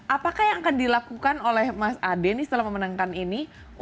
apakah yang akan dilakukan oleh mas ade setelah memenangkan ini